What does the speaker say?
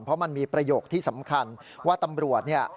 เพราะมันมีประโยคที่สำคัญว่าตำรวจเนี่ย